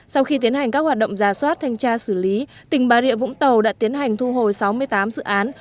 sau khi tiến hành các hoạt động giả soát thanh tra xử lý tỉnh bà rịa vũng tàu đã tiến hành thu hồi sáu mươi tám dự án